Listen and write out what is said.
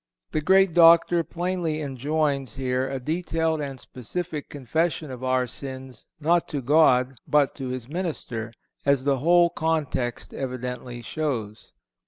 (451) The great Doctor plainly enjoins here a detailed and specific confession of our sins not to God, but to His minister, as the whole context evidently shows.